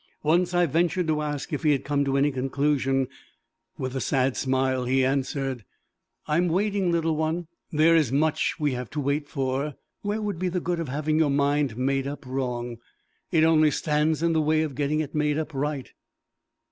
Once I ventured to ask if he had come to any conclusion; with a sad smile, he answered, "I am waiting, little one. There is much we have to wait for. Where would be the good of having your mind made up wrong? It only stands in the way of getting it made up right!"